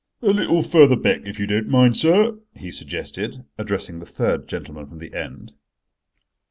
"A little further back, if you don't mind, sir," he suggested, addressing the third gentleman from the end.